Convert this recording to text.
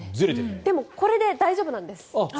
でも、これで大丈夫なんです。